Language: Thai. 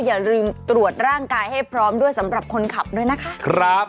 อย่าลืมตรวจร่างกายให้พร้อมด้วยสำหรับคนขับด้วยนะคะครับ